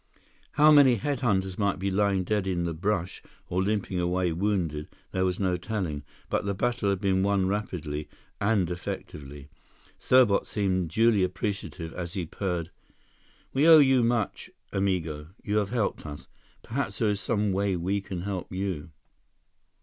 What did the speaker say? How many head hunters might be lying dead in the brush or limping away wounded, there was no telling, but the battle had been won rapidly and effectively. Serbot seemed duly appreciative as he purred: "We owe you much, amigo. You have helped us. Perhaps there is some way we can help you."